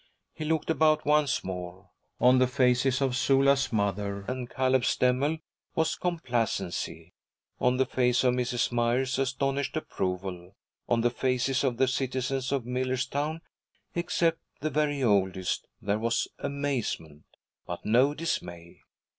He looked about once more. On the faces of Sula's mother and Caleb Stemmel was complacency, on the face of Mrs. Myers astonished approval, on the faces of the citizens of Millerstown except the very oldest there was amazement, but no dismay.